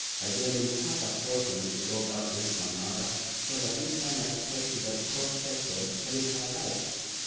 I gave him half a sovereign to go back to his grandmother, so by this time I expect he's at Cove Castle telling her lies.